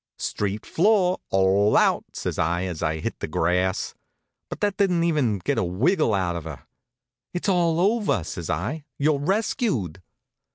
"Street floor, all out!" says I, as I hit the grass. But that didn't even get a wiggle out of her. "It's all over," says I. "You're rescued."